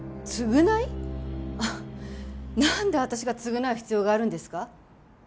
なんで私が償う必要があるんですか？